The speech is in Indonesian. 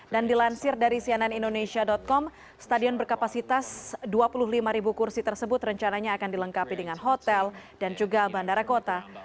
dan dilansir dari cnnindonesia com stadion berkapasitas dua puluh lima ribu kursi tersebut rencananya akan dilengkapi dengan hotel dan juga bandara kota